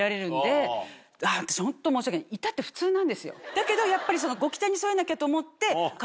だけどやっぱり。